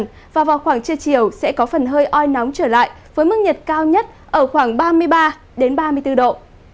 hòa vào khoảng trưa chiều sẽ có phần hơi oi nóng trở lại với mức nhiệt cao nhất ở khoảng ba mươi ba đến ba mươi bốn độ